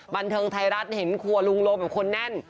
บันเทิงไทยรัฐเห็นครัวลุงโลมแบบคนแน่น